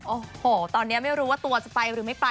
โอ้โหตอนนี้ไม่รู้ว่าตัวจะไปหรือไม่ไป